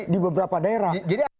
di beberapa daerah